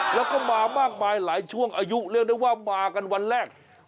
แล้วก็มามากมายหลายช่วงอายุเรียกได้ว่ามากันวันแรก